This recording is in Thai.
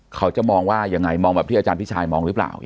เขาจะมองว่ายังไงมองแบบที่อาจารย์พี่ชายมองหรือเปล่า